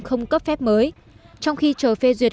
không cấp phép mới trong khi chờ phê duyệt